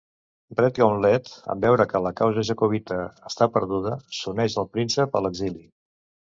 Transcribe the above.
Redgauntlet, en veure que la causa jacobita està perduda, s'uneix al príncep a l'exili.